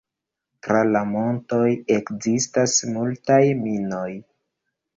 Tra la montoj ekzistas multaj minoj.